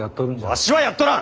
わしはやっとらん！